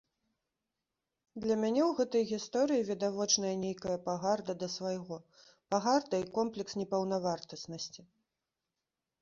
Для мяне ў гэтай гісторыі відавочная нейкая пагарда да свайго, пагарда і комплекс непаўнавартаснасці.